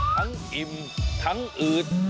ทั้งอิ่มทั้งอืด